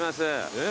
えっ？